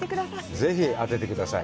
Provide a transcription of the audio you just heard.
ぜひ当ててください。